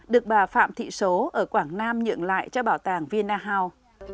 được bà phạm thị số ở quảng nam nhượng lại cho bảo tàng viena hào